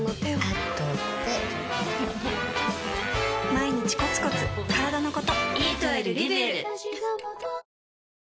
毎日コツコツからだのこと